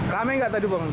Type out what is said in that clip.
rame gak tadi bang